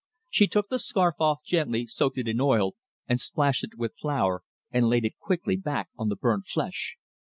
She took the scarf off gently, soaked it in oil and splashed it with flour, and laid it quickly back on the burnt flesh.